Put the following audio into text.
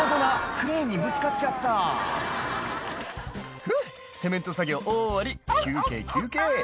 クレーンにぶつかっちゃった「ふぅセメント作業終わり休憩休憩」